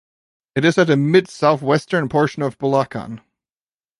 It is at the mid-southwestern portion of Bulacan.